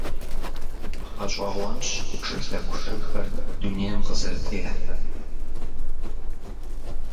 Гъэщӏэгъуэнщ шылъэгу шырхэр дунейм къызэрытехьэр.